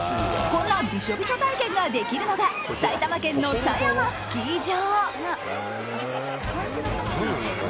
こんなびしょびしょ体験ができるのが埼玉県の狭山スキー場。